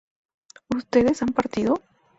¿ustedes han partido?